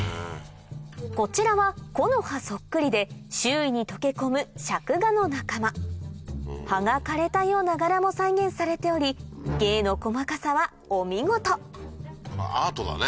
こちらは木の葉そっくりで周囲に溶け込む葉が枯れたような柄も再現されており芸の細かさはお見事アートだね